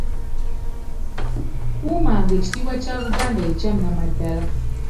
Kuumanga ekitiibwa kya Buganda ekya nnamaddala.